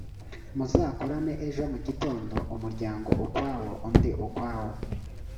muzakorane ejo mu gitondo, umuryango ukwawo undi ukwawo.